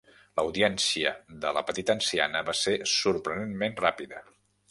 L'audiència de la petita anciana va ser sorprenentment ràpida.